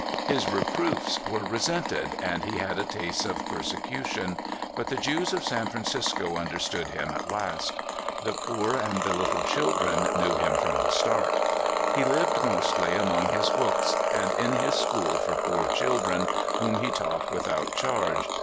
His reproofs were resented, and he had a taste of persecution ; but the Jews of San Fran cisco understood him at last. The poor and the little children knew him from the start. He lived mostly among his books, and in his school for poor children, whom he taught without charge.